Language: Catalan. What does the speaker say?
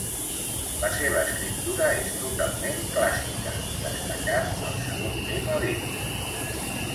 La seva escriptura és totalment clàssica destacant el segon tema líric.